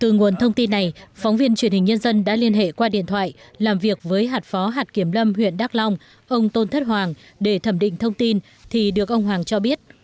từ nguồn thông tin này phóng viên truyền hình nhân dân đã liên hệ qua điện thoại làm việc với hạt phó hạt kiểm lâm huyện đắk long ông tôn thất hoàng để thẩm định thông tin thì được ông hoàng cho biết